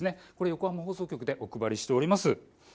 横浜放送局でお配りしています。